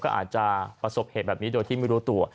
ก็อาจจะประสบเหตุแบบนี้โดยที่ไม่รู้ตัว